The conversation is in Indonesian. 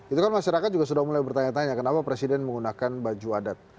itu kan masyarakat juga sudah mulai bertanya tanya kenapa presiden menggunakan baju adat